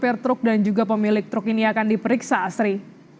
sopir truk dan juga pemilik truk ini akan diperiksa asri